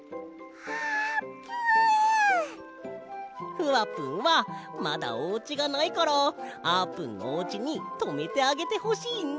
ふわぷんはまだおうちがないからあーぷんのおうちにとめてあげてほしいんだ。